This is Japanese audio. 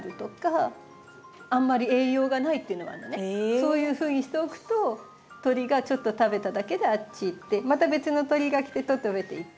そういうふうにしておくと鳥がちょっと食べただけであっち行ってまた別の鳥が来て食べていって。